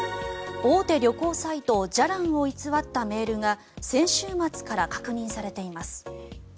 大手旅行サイト、じゃらんを偽ったメールが先週末から確認されています。